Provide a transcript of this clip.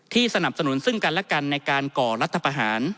สนับสนุนซึ่งกันและกันในการก่อรัฐประหาร